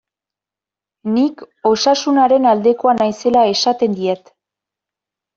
Nik Osasunaren aldekoa naizela esaten diet.